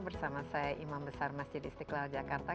bersama saya imam besar masjid istiqlal jakarta